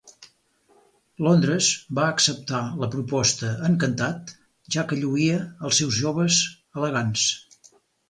Londres va acceptar la proposta encantat ja que lluïa els seus joves elegants.